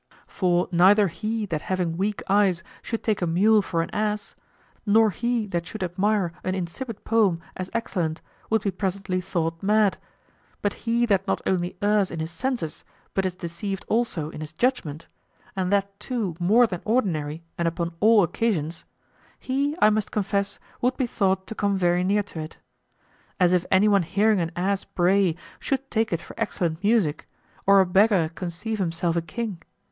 For neither he that having weak eyes should take a mule for an ass, nor he that should admire an insipid poem as excellent would be presently thought mad; but he that not only errs in his senses but is deceived also in his judgment, and that too more than ordinary and upon all occasions he, I must confess, would be thought to come very near to it. As if anyone hearing an ass bray should take it for excellent music, or a beggar conceive himself a king.